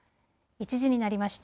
１時になりました。